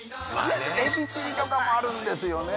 エビチリとかもあるんですよね